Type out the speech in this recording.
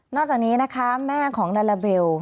จากนี้นะคะแม่ของลาลาเบล